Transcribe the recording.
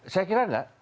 saya kira enggak